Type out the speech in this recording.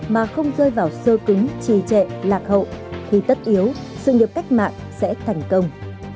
mà không rơi vào sơ kính trì trệ lạc hậu thì tất yếu sự nghiệp cách mạng sẽ thành công